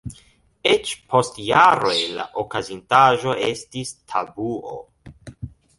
Eĉ, post jaroj la okazintaĵo estis tabuo.